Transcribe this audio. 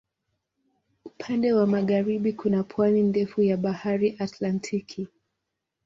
Upande wa magharibi kuna pwani ndefu ya Bahari Atlantiki.